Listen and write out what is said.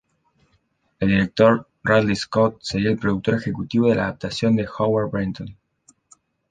El director Ridley Scott sería el productor ejecutivo de la adaptación de Howard Brenton.